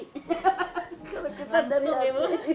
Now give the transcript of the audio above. kalau kita dari hati